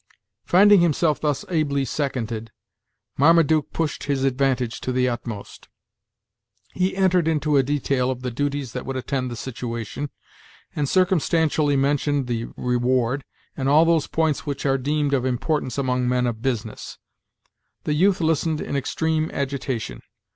Finding himself thus ably seconded, Marmaduke pushed his advantage to the utmost. He entered into a detail of the duties that would attend the situation, and circumstantially mentioned the reward, and all those points which are deemed of importance among men of business. The youth listened in extreme agitation.